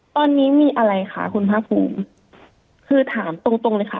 ตอนนี้มีอะไรค่ะคุณภาคภูมิคือถามตรงตรงเลยค่ะ